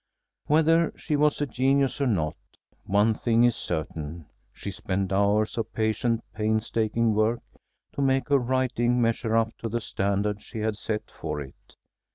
Whether she was a genius or not, one thing is certain, she spent hours of patient, painstaking work to make her writing measure up to the standard she had set for it.